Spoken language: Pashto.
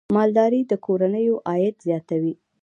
مالدارۍ د کورنیو عاید زیاتوي.